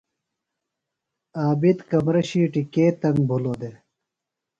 ݨ عابد کمرہ شِیٹیۡ کے تنگ بِھلوۡ دےۡ؟